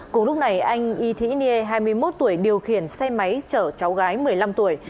cùng lúc này anh y thị niê hai mươi một tuổi điều khiển xe máy chở cháu gái một mươi năm tuổi